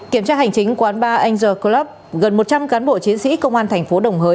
kiểm tra hành chính quán bar angel club gần một trăm linh cán bộ chiến sĩ công an thành phố đồng hới